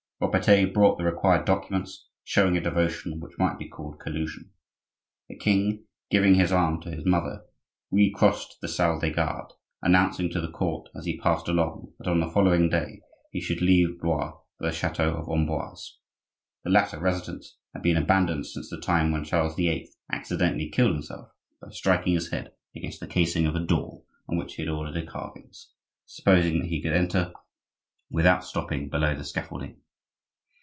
Robertet brought the required documents, showing a devotion which might be called collusion. The king, giving his arm to his mother, recrossed the salle des gardes, announcing to the court as he passed along that on the following day he should leave Blois for the chateau of Amboise. The latter residence had been abandoned since the time when Charles VIII. accidentally killed himself by striking his head against the casing of a door on which he had ordered carvings, supposing that he could enter without stooping below the scaffolding.